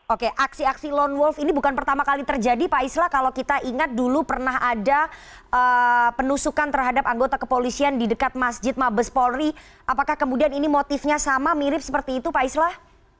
oke aksi aksi lone wolf ini bukan pertama kali terjadi pak islah kalau kita ingat dulu pernah ada penusukan terhadap anggota kepolisian di dekat masjid mabes polri apakah kemudian ini motifnya sama mirip seperti itu pak islah